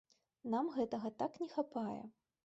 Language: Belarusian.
Нам гэтага так не хапае!